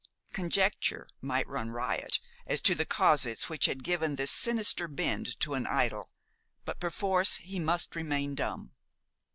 Conjecture might run riot as to the causes which had given this sinister bend to an idyl, but perforce he must remain dumb.